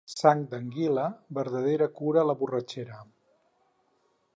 Sang d'anguila verdadera cura la borratxera.